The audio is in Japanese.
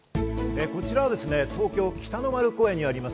こちらは東京・北の丸公園にあります